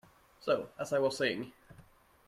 So, as I was saying.